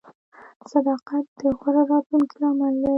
• صداقت د غوره راتلونکي لامل دی.